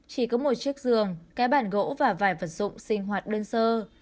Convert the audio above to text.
chỉ có một chiếc giường cái bản gỗ và vài vật dụng sinh hoạt đơn sơ